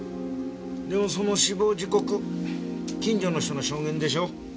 でもその死亡時刻近所の人の証言でしょう？